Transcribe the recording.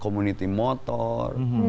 sampai dulu saya sempet masuk kompetisi